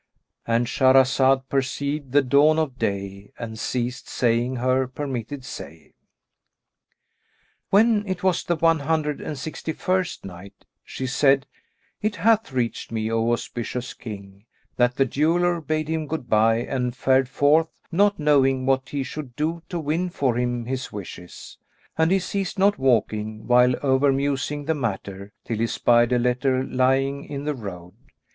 —And Shahrazad perceived the dawn of day and ceased saying her permitted say. When it was the One Hundred and Sixty first Night, She said, It hath reached me, O auspicious King, that the jeweller bade him good bye and fared forth not knowing what he should do to win for him his wishes; and he ceased not walking, while over musing the matter, till he spied a letter lying in the road.